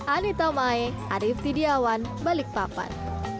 anitta mae arief didiawan balikpapan